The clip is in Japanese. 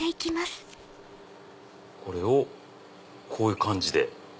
これをこういう感じで。